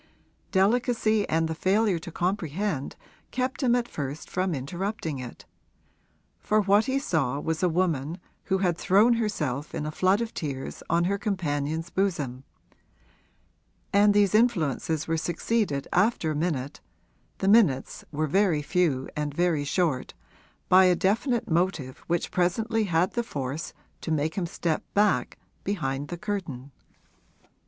Delicacy and the failure to comprehend kept him at first from interrupting it for what he saw was a woman who had thrown herself in a flood of tears on her companion's bosom and these influences were succeeded after a minute (the minutes were very few and very short) by a definite motive which presently had the force to make him step back behind the curtain.